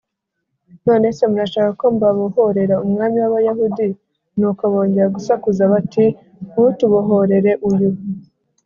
None se murashaka ko mbabohorera umwami w abayahudi nuko bongera gusakuza bati ntutubohorere uyu